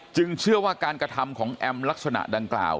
เชื่อว่าการกระทำของแอมลักษณะดังกล่าว